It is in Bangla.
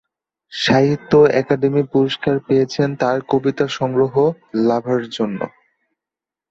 সাহিত্য অকাদেমি পুরস্কার পেয়েছেন তার কবিতা সংগ্রহ "লাভা"র জন্য।